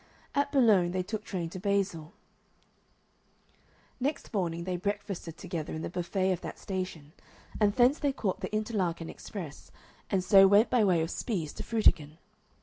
At Boulogne they took train to Basle; next morning they breakfasted together in the buffet of that station, and thence they caught the Interlaken express, and so went by way of Spies to Frutigen.